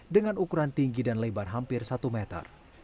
dengan ukuran tinggi dan lebar hampir satu meter